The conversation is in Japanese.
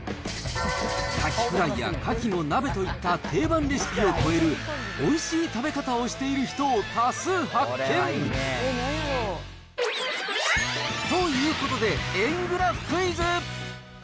カキフライやカキの鍋といった定番レシピを超える、おいしい食べ方をしている人を多数発見。ということで、円グラフクイズ。